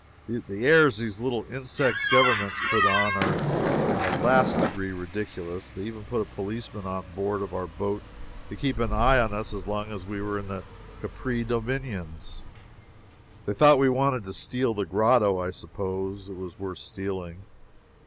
The airs these little insect Governments put on are in the last degree ridiculous. They even put a policeman on board of our boat to keep an eye on us as long as we were in the Capri dominions. They thought we wanted to steal the grotto, I suppose. It was worth stealing.